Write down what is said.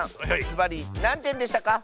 ずばりなんてんでしたか？